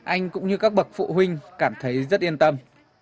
anh cũng như các bậc phụ huynh cảm thấy rất yên tâm